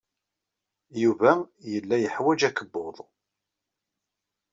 Yuba yella yeḥwaj akebbuḍ.